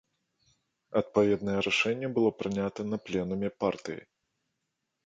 Адпаведнае рашэнне было прынята на пленуме партыі.